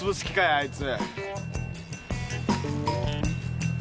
あいつ。